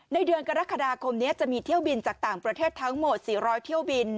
เดือนกรกฎาคมนี้จะมีเที่ยวบินจากต่างประเทศทั้งหมด๔๐๐เที่ยวบิน